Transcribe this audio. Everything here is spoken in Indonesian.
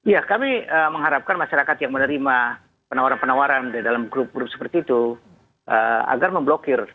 ya kami mengharapkan masyarakat yang menerima penawaran penawaran di dalam grup grup seperti itu agar memblokir